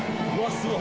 すごい！